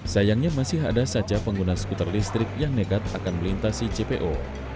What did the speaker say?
sayangnya masih ada saja pengguna skuter listrik yang nekat akan melintasi jpo